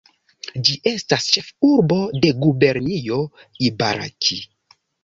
Ĝi estas ĉefurbo de gubernio Ibaraki.